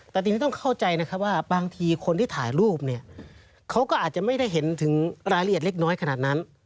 แต่ทีนี้ต้องเข้าใจนะครับว่าบางทีคนที่ถ่ายรูปเนี่ยเขาก็อาจจะไม่ได้เห็นถึงรายละเอียดเล็กน้อยขนาดนั้น